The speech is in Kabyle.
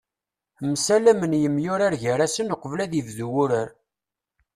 Msalamen yemyurar gar-asen uqbel ad ibdu wurar.